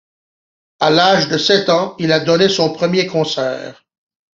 À l’âge de sept ans, il a donné son premier concert.